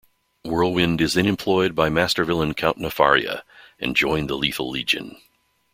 Whirlwind is then employed by master villain Count Nefaria and joined the Lethal Legion.